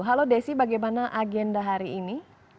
halo desi bagaimana agenda hari ini